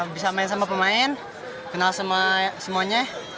bisa main sama pemain kenal semuanya